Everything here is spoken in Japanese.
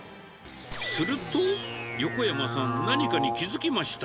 すると、横山さん、何かに気付き